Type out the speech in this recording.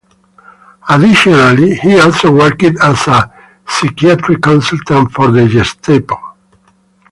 Additionally, he also worked as a psychiatric consultant for the "Gestapo".